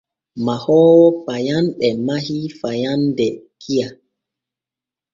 Mahoowo payanɗe mahii faande kiya.